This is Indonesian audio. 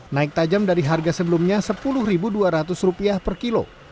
naik tajam dari harga sebelumnya rp sepuluh dua ratus per kilo